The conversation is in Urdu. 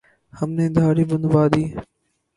ہم نے دھاڑی منڈوادی